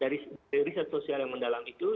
dari riset sosial yang mendalam itu